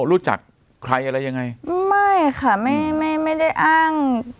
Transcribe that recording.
รู้จักใครอะไรยังไงไม่ค่ะไม่ไม่ไม่ได้อ้าง